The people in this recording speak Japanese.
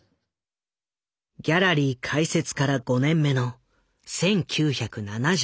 ギャラリー開設から５年目の１９７１年